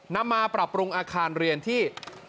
นำมาปรับปรุงอาคารเรียนที่